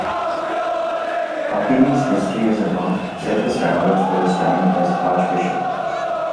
Haquini's history as a monk set the standards for his time as archbishop.